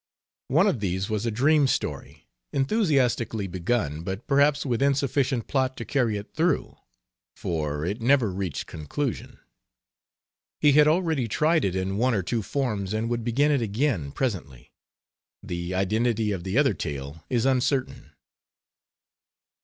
One of these was a dream story, enthusiastically begun, but perhaps with insufficient plot to carry it through, for it never reached conclusion. He had already tried it in one or two forms and would begin it again presently. The identity of the other tale is uncertain.